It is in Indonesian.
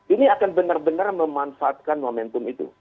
ini akan benar benar memanfaatkan momentum itu